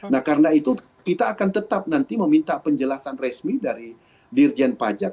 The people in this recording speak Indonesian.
nah karena itu kita akan tetap nanti meminta penjelasan resmi dari dirjen pajak